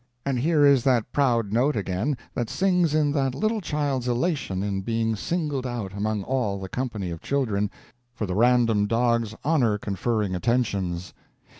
And here is that proud note again that sings in that little child's elation in being singled out, among all the company of children, for the random dog's honor conferring attentions.